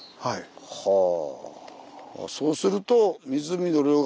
はあ。